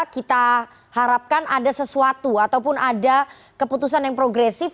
kita harapkan ada sesuatu ataupun ada keputusan yang progresif